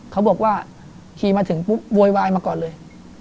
เขาบอกว่าขี่มาถึงปุ๊บโวยวายมาก่อนเลย